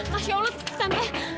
masya allah tante